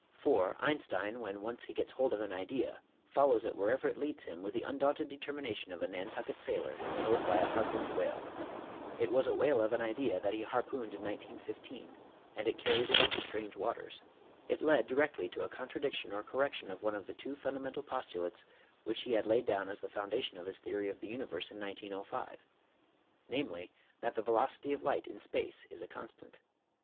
For Einstein when he once gets hold of an idea follows it wherever it leads him with the undaunted determination of a Nantucket sailor towed by a harpooned whale. It was a whale of an idea that he harpooned in 191 5 and it carried him into strange waters. It led directly to a contradiction or correction of one of the two fundamental postulates which he had laid down as the foundation of his theory of the universe in 1905, namely, that the veloc ity of light in space is a constant.